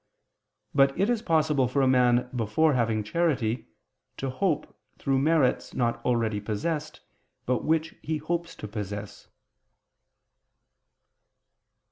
But it is possible for a man before having charity, to hope through merits not already possessed, but which he hopes to possess.